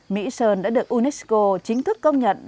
mỹ sơn đã được unesco chính thức công nhận